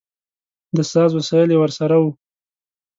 د ساز وسایل یې ورسره و.